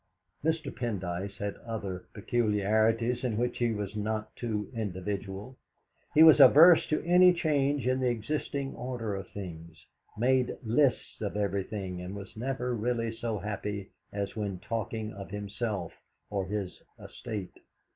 Mr. Pendyce had other peculiarities, in which he was not too individual. He was averse to any change in the existing order of things, made lists of everything, and was never really so happy as when talking of himself or his estate.